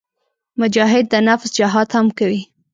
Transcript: مجاهد د نفس جهاد هم کوي.